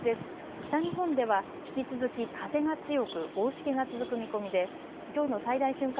北日本では引き続き風が強く大しけが続く見込みできょうの最大瞬間